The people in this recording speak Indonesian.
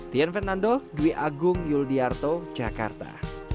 tien fernando dwi agung yul di arto jakarta